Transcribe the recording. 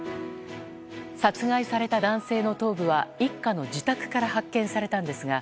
殺害された男性の頭部は一家の自宅から発見されたんですが